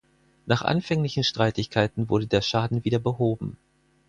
Nach anfänglichen Streitigkeiten wurde der Schaden wieder behoben.